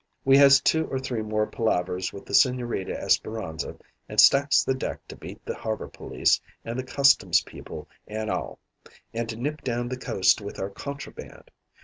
"We has two or three more palavers with the Sigñorita Esperanza and stacks the deck to beat the harbor police and the Customs people an' all, an' to nip down the coast with our contraband.